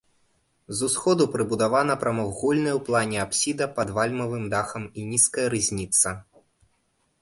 З усходу прыбудавана прамавугольная ў плане апсіда пад вальмавым дахам і нізкая рызніца.